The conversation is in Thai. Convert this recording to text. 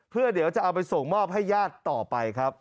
เพื่อเดี๋ยวจะเอาไปส่งมอบให้ญาติต่อไปครับ